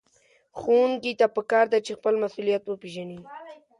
ښوونکي ته پکار ده چې خپل مسؤليت وپېژني.